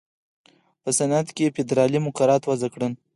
په صنعت کې یې فېدرالي مقررات وضع کړل.